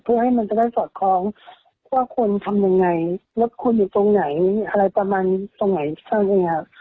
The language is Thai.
เพื่อให้มันจะได้สอดคล้องว่าคุณทำยังไงรถคุณอยู่ตรงไหนอะไรประมาณตรงไหนเท่านั้นเองค่ะ